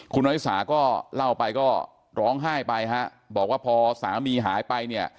คุณวริสาก็เล่าไปก็ร้องไห้ไปฮะบอกว่าพอสามีหายไปเนี่ย